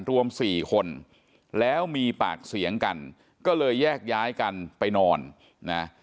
รวมสี่คนแล้วมีปากเสียงกันก็เลยแยกย้ายกันไปนอนนะ